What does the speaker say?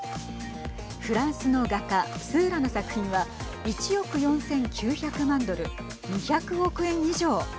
フランスの画家スーラの作品は１億４９００万ドル２００億円以上。